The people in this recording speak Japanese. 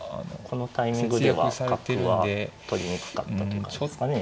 このタイミングでは角は取りにくかったという感じですかね。